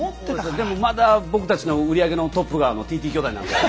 でもまだ僕たちの売り上げのトップがＴＴ兄弟なので。